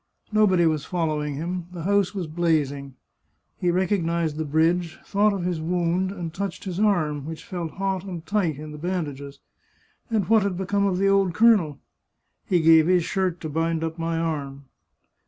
Nobody was following him ; the house was blazing. He recognised the bridge, thought of his wound, 71 The Chartreuse of Parma and touched his arm, which felt hot and tight in the band ages. And what had become of the old colonel ?" He gave his shirt to bind up my arm."